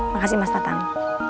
makasih mas tatang